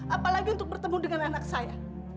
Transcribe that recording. apalagi untuk bertemu dengan anak saya